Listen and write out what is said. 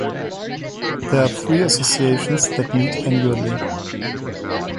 There are three associations that meet annually.